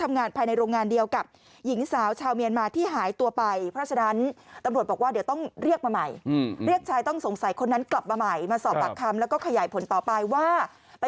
มาสอบปรักคำแล้วก็ขยายผลต่อไปว่า